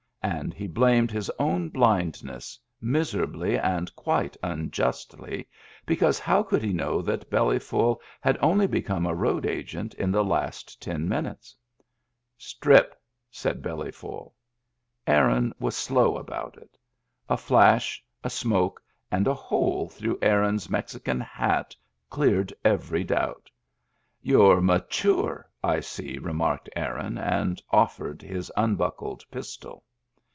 " And he blamed his own blindness, miserably and quite unjustly, because how could he know that Bellyful had only become a road agent in the last ten minutes ? "Strip," said Bellyful. Aaron was slow about it. A flash, a smoke, and a hole through Aaron's Mexican hat cleared every doubt. "You're mature, I see," remarked Aaron, and ofiFei:ed his unbuckled pistol.